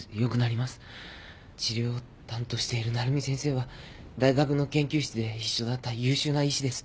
治療を担当している鳴海先生は大学の研究室で一緒だった優秀な医師です。